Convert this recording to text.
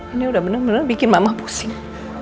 ini udah bener bener bikin mama pusing